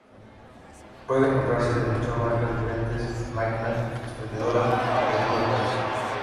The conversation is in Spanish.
Pueden encontrarse de muchas marcas diferentes en máquinas expendedoras de todo el país.